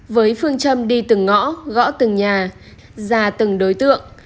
với phương châm đi từng ngõ gõ từng nhà ra từng đối tượng